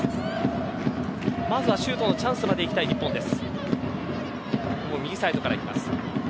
まずは、シュートチャンスまでいきたい日本です。